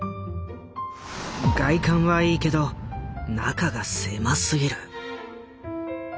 「外観はいいけど中が狭すぎる」。